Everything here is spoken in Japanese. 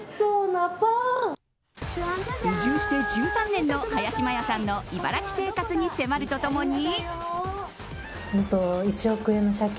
移住して１３年の林マヤさんの茨城生活に迫るとともに。